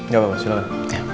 gak apa apa silahkan